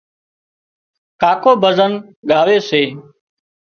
ڪاڪو ڀزن ڳاوي سي